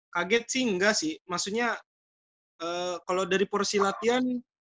kaget sih nggak sih maksudnya kalo dari porsi latihan